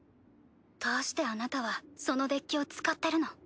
どうしてあなたはそのデッキを使ってるの？